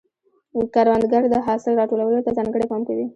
کروندګر د حاصل راټولولو ته ځانګړی پام کوي